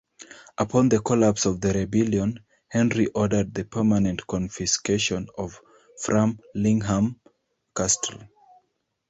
Upon the collapse of the rebellion, Henry ordered the permanent confiscation of Framlingham Castle.